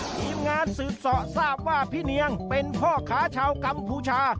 ทีมงานสืบเสาะทราบว่าพี่เนียงเป็นพ่อค้าชาวกัมพูชา